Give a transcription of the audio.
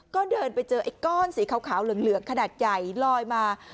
ก็เดินไปเจอไอ้ก้อนสีขาวเหลืองขนาดใหญ่ลอยมา